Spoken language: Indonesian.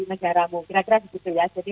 negaramu kira kira begitu ya jadi